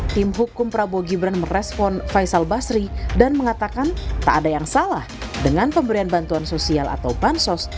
tim hukum prabowo gibran merespon faisal basri dan mengatakan tak ada yang salah dengan pemberian bantuan sosial atau bansos